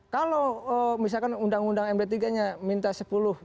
kalau misalkan undang undang md tiga nya minta sepuluh